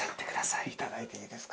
いただいていいですか？